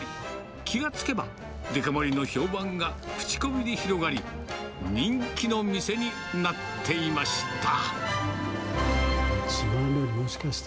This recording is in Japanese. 気が付けば、デカ盛りの評判が口コミで広がり、人気の店になっていました。